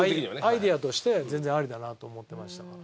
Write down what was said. アイデアとして全然ありだなと思ってましたから。